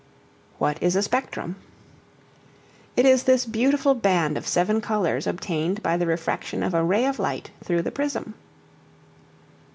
What is a Spectrum? It is this beautiful band of seven colors obtained by the refraction of a ray of light through the prism.